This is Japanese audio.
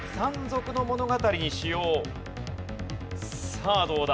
さあどうだ？